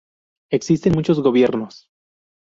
Existen muchos gobiernos.